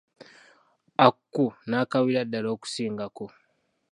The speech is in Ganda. Aku n'akaabira ddala okusingako.